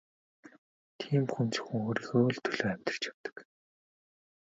Тийм хүн зөвхөн өөрийнхөө л төлөө амьдарч явдаг.